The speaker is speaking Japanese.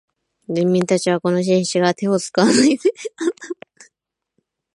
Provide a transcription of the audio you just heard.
人民たちはこの紳士が手を使わないで頭で働く方法を見せてくれるものと思っていました。